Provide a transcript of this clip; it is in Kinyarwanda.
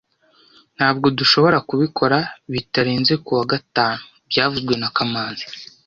Ntabwo dushobora kubikora bitarenze kuwa gatanu byavuzwe na kamanzi